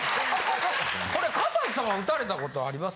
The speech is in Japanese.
これかたせさんは撃たれたことあります？